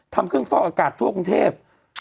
ทำเครื่องฟอกอากาศทั่วกรุงเทพ